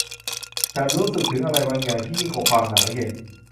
ฉันรู้สึกถึงอะไรบางอย่างที่ยิ่งกว่าความหนาวเย็น